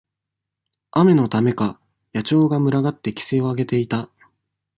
雨のためか、野鳥が群がって奇声をあげていた。